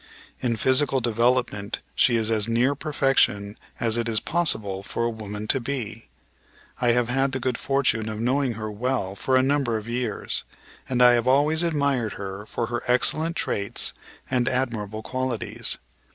In physical development she is as near perfection as it is possible for a woman to be. I have had the good fortune of knowing her well for a number of years, and I have always admired her for her excellent traits and admirable qualities.